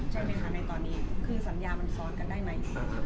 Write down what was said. จะเป็นอะไรตอนนี้คือสัญญามันซ้อนกันได้ไหม